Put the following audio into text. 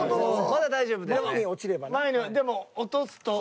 まだ大丈夫よ。